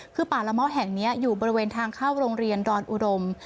คือป่าละเมาะแห่งนี้อยู่บริเวณทางเข้าโรงเรียนดอนอุดม